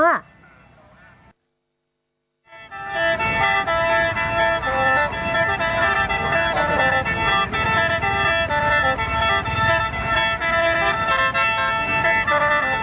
โอ้โห